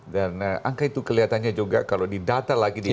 dan angka itu kelihatannya juga kalau didata lagi di daerah lain